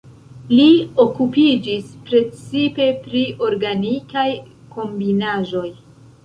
Li okupiĝis precipe pri organikaj kombinaĵoj.